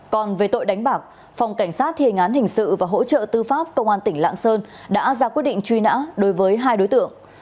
còn về tội đánh bạc phòng cảnh sát thề ngán hình sự và hỗ trợ tư pháp công an tỉnh lạng sơn đã ra quyết định truy nã đối với hai đối tượng